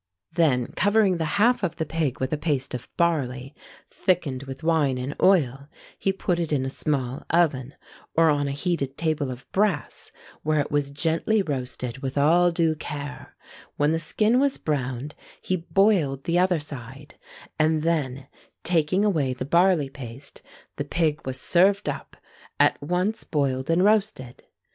Then covering the half of the pig with a paste of barley, thickened with wine and oil, he put it in a small oven, or on a heated table of brass, where it was gently roasted with all due care: when the skin was browned, he boiled the other side; and then, taking away the barley paste, the pig was served up, at once boiled and roasted.